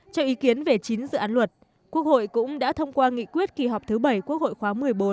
cho ý kiến về chín dự án luật quốc hội cũng đã thông qua nghị quyết kỳ họp thứ bảy quốc hội khóa một mươi bốn